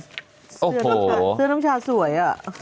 เสื้อน้องชาสวย